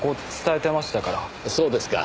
そうですか。